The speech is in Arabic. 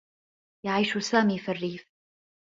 يعيش سامي في الرّيف.